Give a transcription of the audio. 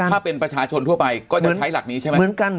ถ้าเป็นประชาชนทั่วไปก็จะใช้หลักนี้ใช่ไหมเหมือนกัน